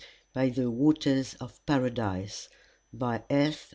BY THE WATERS OF PARADISE By F.